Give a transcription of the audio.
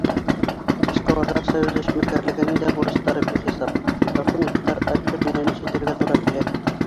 Эшҡыуарҙар союзы эшмәкәрлегенең дә бурыстары бихисап: документтар, отчет менән эш итергә тура килә.